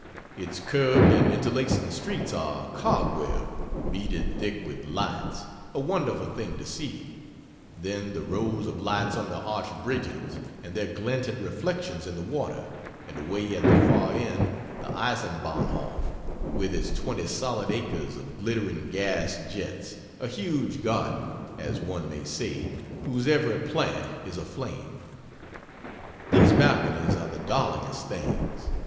Its curved and interlacing streets are a cobweb, beaded thick with lights a wonderful thing to see; then the rows of lights on the arched bridges, and their glinting reflections in the water; and away at the far end, the Eisenbahnhof, with its twenty solid acres of glittering gas jets, a huge garden, as one may say, whose every plant is a flame. These balconies are the darlingest things.